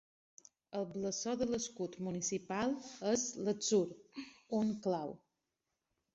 El blasó de l'escut municipal és l'atzur, un clau.